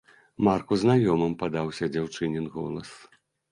Марку знаёмым падаўся дзяўчынін голас.